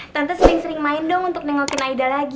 tante sering sering main dong untuk nengokin aida lagi